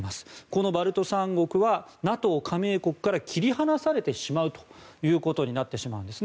このバルト三国はＮＡＴＯ加盟国から切り離されてしまうということになってしまうんです。